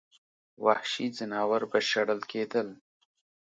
وحشي ځناور به شړل کېدل.